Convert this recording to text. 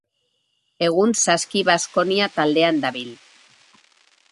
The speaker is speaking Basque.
Egun Saski Baskonia taldean dabil.